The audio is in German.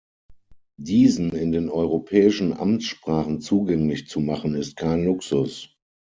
Diesen in den europäischen Amtssprachen zugänglich zu machen, ist kein Luxus.